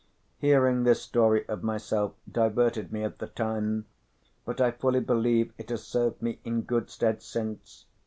Hearing this story of myself diverted me at the time, but I fully believe it has served me in good stead since.